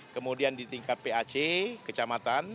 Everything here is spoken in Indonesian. kemudian di tingkat pac kecamatan